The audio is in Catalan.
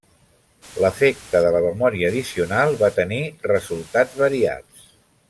L'efecte de la memòria addicional va tenir resultats variats.